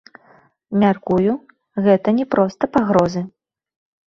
Мяркую, гэта не проста пагрозы.